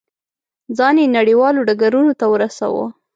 ځان یې نړیوالو ډګرونو ته ورساوه.